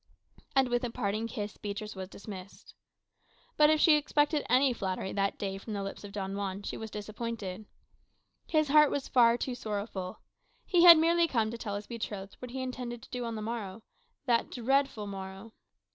And with a parting kiss Beatriz was dismissed. But if she expected any flattery that day from the lips of Don Juan, she was disappointed. His heart was far too sorrowful. He had merely come to tell his betrothed what he intended to do on the morrow that dreadful morrow!